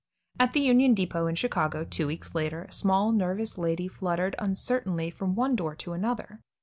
At the Union Depot in Chicago, two weeks later, a small, nervous lady fluttered uncertainly from one door to another.